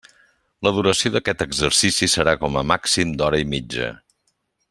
La duració d'aquest exercici serà com a màxim d'hora i mitja.